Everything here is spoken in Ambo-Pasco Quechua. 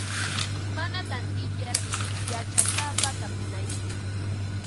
Mana tantiyar yachasapata tapunaykim.